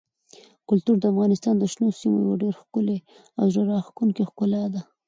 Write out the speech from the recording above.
کلتور د افغانستان د شنو سیمو یوه ډېره ښکلې او زړه راښکونکې ښکلا ده.